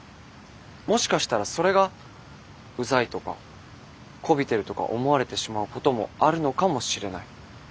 もしかしたらそれがうざいとかこびてるとか思われてしまうこともあるのかもしれない。